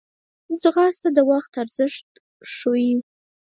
ځغاسته د وخت ارزښت ښووي